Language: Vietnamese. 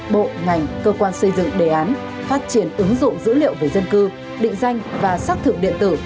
bộ ngành cơ quan xây dựng đề án phát triển ứng dụng dữ liệu về dân cư định danh và xác thực điện tử